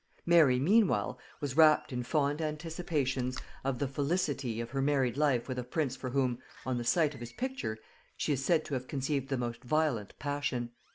Mary, meanwhile, was rapt in fond anticipations of the felicity of her married life with a prince for whom, on the sight of his picture, she is said to have conceived the most violent passion.